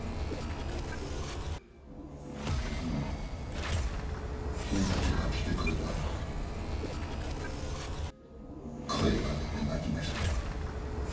僕も君たちが来てくれた後声を上げて泣きましたよ。